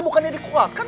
bukan yang dikuatkan